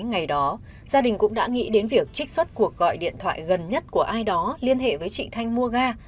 ngày đó gia đình cũng đã nghĩ đến việc trích xuất cuộc gọi điện thoại gần nhất của ai đó liên hệ với chị thanh mua ga